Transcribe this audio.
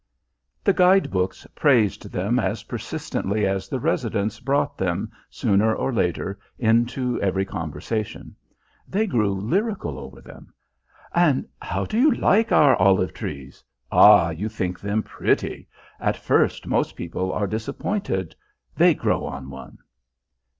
The guide books praised them as persistently as the residents brought them, sooner or later, into every conversation. They grew lyrical over them: "And how do you like our olive trees? Ah, you think them pretty. At first, most people are disappointed. They grow on one."